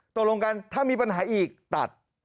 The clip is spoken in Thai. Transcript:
ตกลงกันถ้ามีปัญหาอีกตัด